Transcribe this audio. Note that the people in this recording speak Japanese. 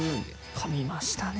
かみましたね